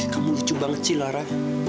kamu lucu banget sih lara